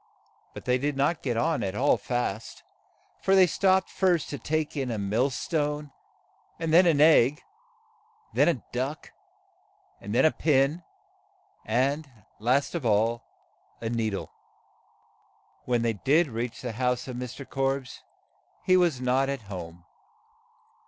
But they did not get on at all fast, for they stopped first to 14 MR. KORBES take in a mill stone, then an egg, then a duck, then a pin, and, last of all, a nee dle. When they did reach the house of Mr. Korbes he was not at home.